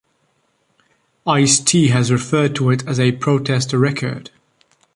Ice-T has referred to it as a protest record.